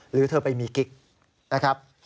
หรือเธอไปมีกิ๊กนะครับ